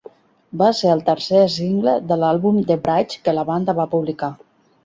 Va ser el tercer single de l'àlbum "The bridge" que la banda va publicar.